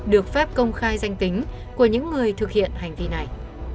được phép công khai danh tính của những người thực hiện hành vi này